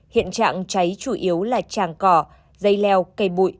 hiện trạng cháy chủ yếu là tràng cỏ dây leo cây bụi